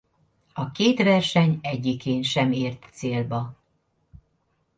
A két verseny egyikén sem ért célba.